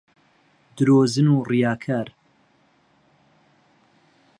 درۆزن و ڕیاکار